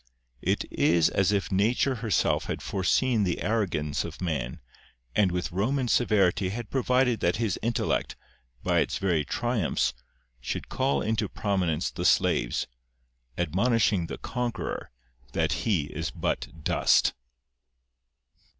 It is as if nature herself had foreseen the arrogance of man, and with Roman severity had provided that his intellect, by its very triumphs, should call into prominence the slaves, admonishing the conqueror that he is but dust."